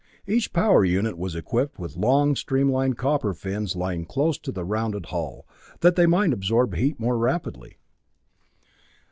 Each power unit was equipped with long streamlined copper fins lying close to the rounded hull, that they might absorb heat more rapidly.